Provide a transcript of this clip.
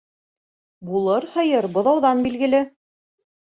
Булыр һыйыр быҙауҙан билгеле.